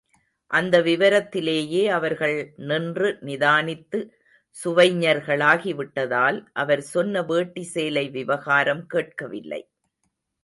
அந்த விவரத்திலேயே அவர்கள் நின்று நிதானித்து சுவைஞர்களாகி விட்டதால், அவர் சொன்ன வேட்டி சேலை விவகாரம் கேட்கவில்லை.